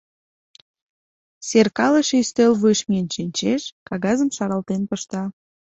Серкалыше ӱстел вуйыш миен шинчеш, кагазым шаралтен пышта.